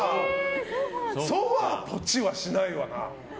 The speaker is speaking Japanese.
ソファ、ポチはしないわな。